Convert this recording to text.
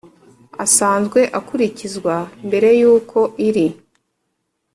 asanzwe akurikizwa mbere y uko iri